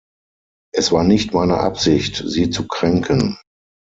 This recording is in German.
Es war nicht meine Absicht, Sie zu kränken.